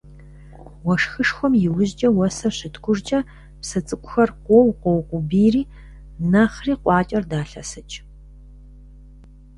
Уэшхышхуэм иужькӀэ, уэсыр щыткӀужкӀэ псы цӀыкӀухэр къоу, къоукъубийри нэхъри къуакӀэр далъэсыкӀ.